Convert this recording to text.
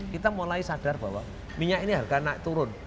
kita mulai sadar bahwa minyak ini harganya turun